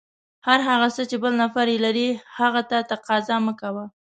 هر هغه څه چې بل نفر یې لري، هغه ته تقاضا مه کوه.